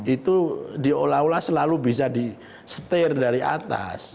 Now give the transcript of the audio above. itu diolah olah selalu bisa di setir dari atas